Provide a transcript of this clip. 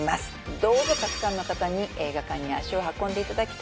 どうぞたくさんの方に映画館に足を運んでいただきたいと思います